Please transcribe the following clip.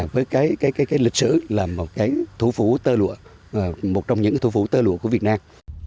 với cái lịch sử là một trong những thú phú tơ lụa của việt nam